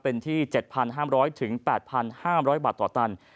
เป็นที่๗๕๐๐๘๕๐๐บาทต่อตัน